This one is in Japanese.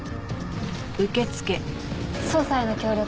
捜査への協力